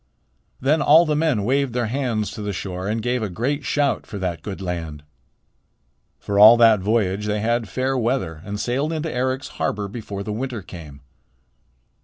Then all the men waved their hands to the shore and gave a great shout for that good land. For all that voyage they had fair weather and sailed into Eric's harbor before the winter came.